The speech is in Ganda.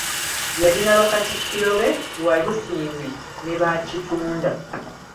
Yalina Bakatikkiro be Walusimbi ne Baakitunda.